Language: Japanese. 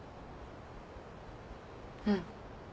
うん。